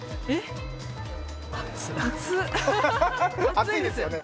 熱いですよね？